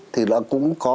thì nó cũng có